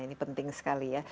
ini penting sekali ya